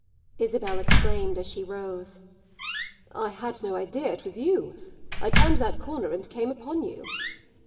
Isabel exclaimed as she rose. "I had no idea it was you. I turned that corner and came upon you."